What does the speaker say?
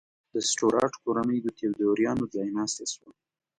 د سټورات کورنۍ د تیودوریانو ځایناستې شوه.